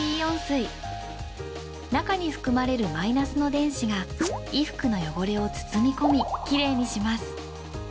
中に含まれるマイナスの電子が衣服の汚れを包み込みきれいにします。